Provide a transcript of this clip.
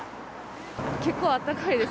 結構あったかいです。